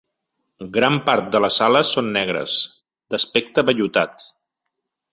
Gran part de les ales són negres, d'aspecte vellutat.